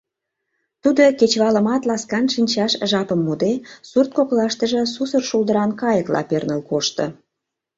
Тудо, кечывалымат ласкан шинчаш жапым муде, сурт коклаштыже сусыр шулдыран кайыкла перныл кошто.